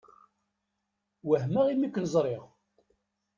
Wehmeɣ imi ken-ẓṛiɣ.